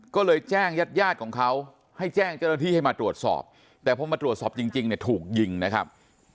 ก็เลยแจ้งญาติญาติของเขาให้แจ้งเจ้าหน้าที่ให้มาตรวจสอบแต่พอมาตรวจสอบจริงเนี่ยถูกยิงนะครับ